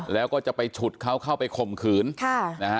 แล้วก็จะไปฉุดเขาเข้าไปข่มขืน